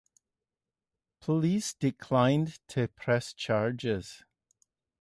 Police declined to press charges.